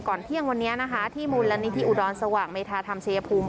ก่อนเที่ยงวันนี้นะคะมูลละนิธิอุดอลสวางเมย์ทาธรรมเชพูม